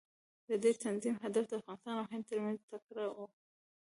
د دې تنظیم هدف د افغانستان او هند ترمنځ ټکر و.